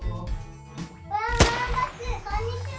ワンワンバスこんにちは！